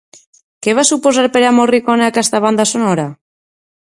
Què va suposar per a Morricone aquesta banda sonora?